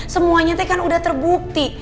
semuanya teh kan sudah terbukti